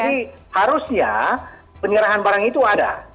jadi harusnya penyerahan barang itu ada